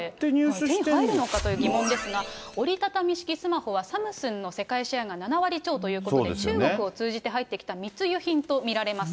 手に入るのかという疑問ですが、折り畳み式スマホは、サムスンの世界シェアが７割超ということで、中国を通じて入ってきた密輸品と見られます。